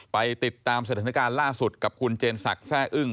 ไปติดตามสถานการณ์ล่าสุดกับคุณเจนศักดิ์แซ่อึ้ง